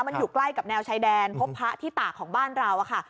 มันอยู่ใกล้กับแนวชายแดนพบพระที่ตากของบ้านเราค่ะ